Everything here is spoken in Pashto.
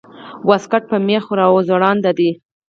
واسکټ په مېخ راځوړند ده